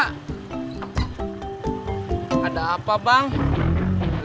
tunggu nanti diundurin dia semua